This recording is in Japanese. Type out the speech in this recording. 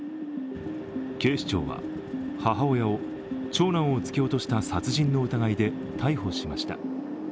警視庁は、母親を長男を突き落とした殺人の疑いで逮捕しました。